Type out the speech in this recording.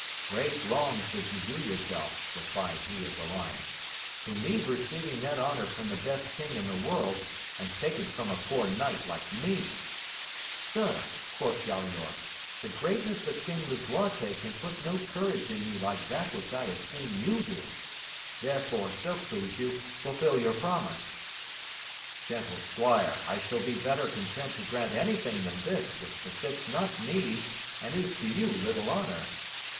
Great wrong should you do yourself, replied he of the lions, to leave receiving that honour from the best king in the world, and take it from a poor knight like me.. Sir, quoth Galaor, the greatness of King Lisuarte can put no courage in me like that which I have seen you do ; therefore, so please you^ MSI your promisQ. — Gentle sqjure,! ^^'yi^X^fc^K/e^ 70 AMADIS OF GAUL' content to grant anything than this which befits not me, and is to you little honour.